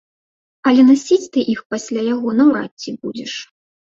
Але насіць ты іх пасля яго наўрад ці будзеш.